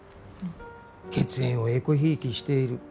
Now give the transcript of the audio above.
血縁をえこひいきしている。